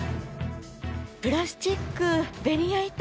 プラスチック、ベニヤ板